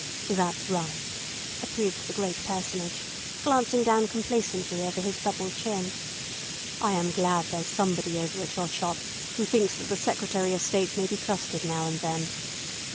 "That's right," approved the great Personage, glancing down complacently over his double chin. "I am glad there's somebody over at your shop who thinks that the Secretary of State may be trusted now and then."